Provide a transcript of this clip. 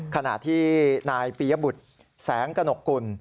ขณะที่นายปียบุตรแสงกระหนกกุล